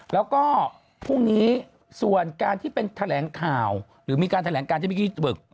แล้วก็พรุ่งนี้ส่วนการที่เป็นแถลงข่าวหรือมีการแถลงการที่เมื่อกี้เบิก